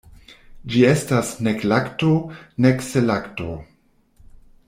Ĝi estas nek lakto, nek selakto.